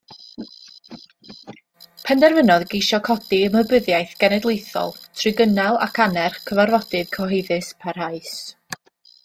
Penderfynodd geisio codi ymwybyddiaeth genedlaethol trwy gynnal ac annerch cyfarfodydd cyhoeddus parhaus.